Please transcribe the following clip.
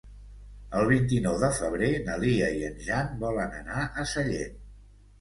El vint-i-nou de febrer na Lia i en Jan volen anar a Sallent.